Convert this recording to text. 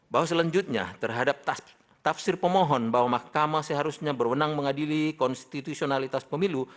bahwa selanjutnya terhadap tafsir pemohon bahwa mahkamah seharusnya berwenang mengadili konstitusionalitas pemilu